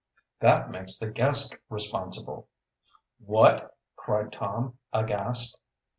"That makes the guest responsible." "What!" cried Tom, aghast.